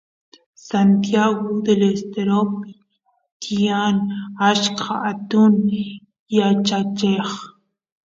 Santiagu Del Esteropi tiyan achka atun yachacheq